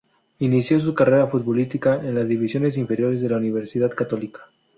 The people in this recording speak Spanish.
Inició su carrera futbolística en las divisiones inferiores de la Universidad Católica.